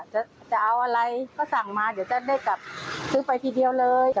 จะเอาอะไรก็สั่งมาเดี๋ยวจะได้กลับซื้อไปทีเดียวเลย